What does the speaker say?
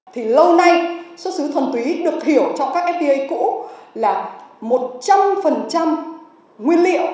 thì lâu nay xuất xứ thuần túy được hiểu cho các fta cũ là một trăm linh nguyên liệu nguyên liệu nguyên liệu